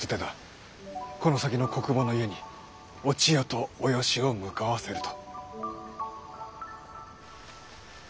この先の小久保の家にお千代とおよしを向かわせると。